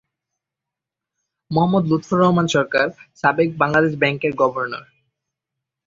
মোহাম্মদ লুৎফর রহমান সরকার, সাবেক বাংলাদেশ ব্যাংক এর গভর্নর।